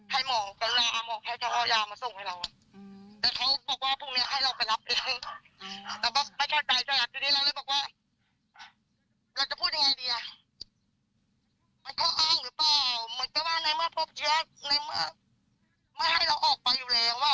ก็อ้างหรือเปล่าเหมือนก็ว่าในเมื่อพรบเดี๋ยวไม่ให้เราออกไปอยู่แล้วอ่ะ